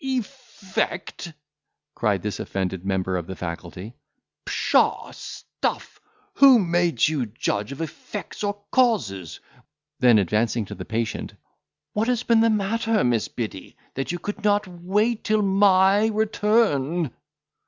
"Effect!" cried this offended member of the faculty, "pshaw!—stuff!—who made you judge of effects or causes?" Then advancing to the patient, "What has been the matter, Miss Biddy, that you could not wait till my return?"